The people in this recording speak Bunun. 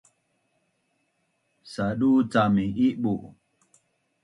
dusa’ cam mi Ibu